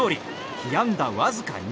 被安打、わずか２。